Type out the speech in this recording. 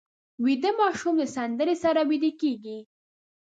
ویده ماشوم د سندرې سره ویده کېږي